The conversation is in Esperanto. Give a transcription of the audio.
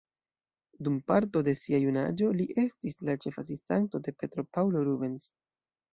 Dum parto de sia junaĝo li estis la ĉef-asistanto de Petro Paŭlo Rubens.